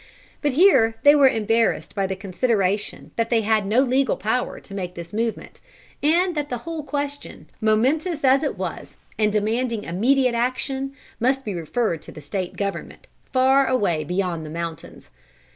But here they were embarrassed by the consideration that they had no legal power to make this movement, and that the whole question, momentous as it was and demanding immediate action, must be referred to the State Government, far away beyond the mountains.